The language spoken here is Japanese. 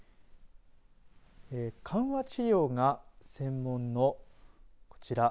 緩和治療が専門のこちら。